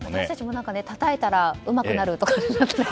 私たちもたたいたらうまくなるとか。